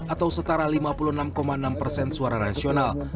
atau setara lima puluh enam enam persen suara rasional